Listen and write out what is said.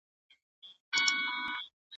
په اورېدلو کې کومک کوي.